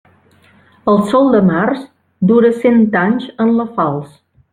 El sol de març dura cent anys en la falç.